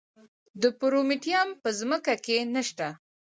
د پرومیټیم په ځمکه کې نه شته.